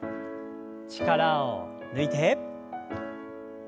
力を抜いて。